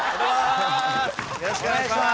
よろしくお願いします。